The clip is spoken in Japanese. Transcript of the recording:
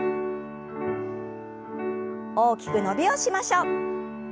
大きく伸びをしましょう。